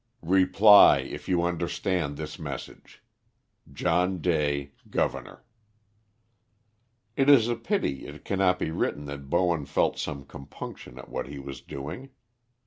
Reply if you understand this message. "JOHN DAY, Governor." It is a pity it cannot be written that Bowen felt some compunction at what he was doing.